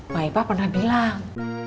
maipa pernah bilang